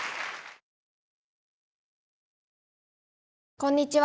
こんにちは。